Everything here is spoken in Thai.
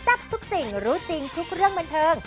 เตรียมทุกสิ่งรู้จริงทุกเรื่องบนทึง